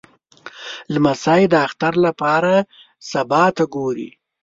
لمسی د اختر لپاره سبا ته ګوري.